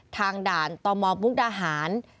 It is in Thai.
ทางด่านตำมอบมุคดาหาญ